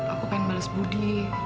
aku pengen balas budi